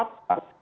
yang mencari fakta